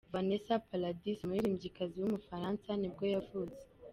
Vanessa Paradis, umuririmbyikazi w’umufaransa nibwo yavutse.